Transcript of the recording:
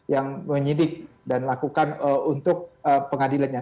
yang menyidik dan lakukan untuk pengadilannya